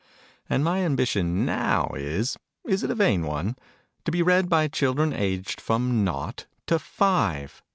And my ambition now is (is it a vain one?) to be read by Children aged from Nought to Five.